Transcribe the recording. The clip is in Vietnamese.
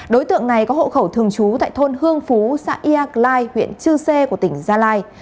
đối tượng này có hộ khẩu thường trú tại thôn hương phú xã iagline huyện chư sê của tỉnh gia lai